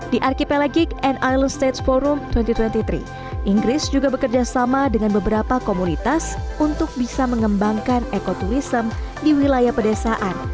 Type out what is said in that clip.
di archipelegik and island states forum dua ribu dua puluh tiga inggris juga bekerja sama dengan beberapa komunitas untuk bisa mengembangkan ekoturism di wilayah pedesaan